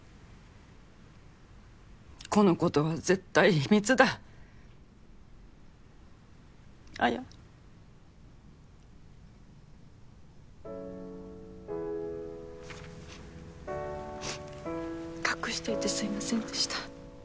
「このことは絶対秘密だ」「綾」隠していてすいませんでした